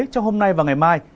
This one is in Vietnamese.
trong hôm nay và ngày mai